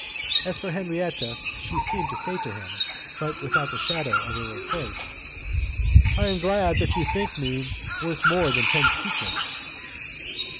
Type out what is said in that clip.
As for Henriette, she seemed to say to him, but without the shadow of a reproach; "I am glad that you think me worth more than ten sequins."